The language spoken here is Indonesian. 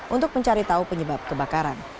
untuk mencari tahu penyebab kebakaran